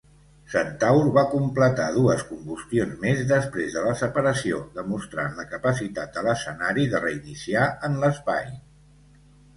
Centaur va completar dues combustions més després de la separació, demostrant la capacitat de l'escenari de reiniciar en l'espai.